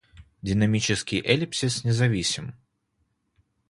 Динамический эллипсис независим.